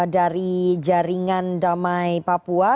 dari jaringan damai papua